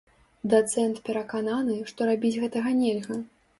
Дацэнт перакананы, што рабіць гэтага нельга.